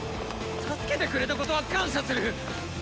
助けてくれたことは感謝する！